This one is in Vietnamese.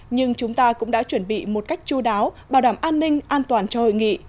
nhưng chúng ta cũng đã chuẩn bị một cách chú đáo bảo đảm an ninh an toàn cho hội nghị